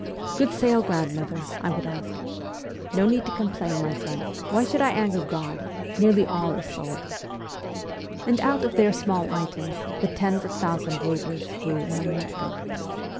' Good sale, grandmother ?' I would ask. ' No need to complain, my son. Why should I anger God ? Nearly all is sold.' And out of their small items the tens of thousand roubles grew in my note book.